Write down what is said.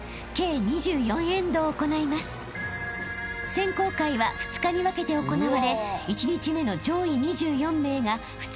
［選考会は２日に分けて行われ１日目の上位２４名が２日目に進出］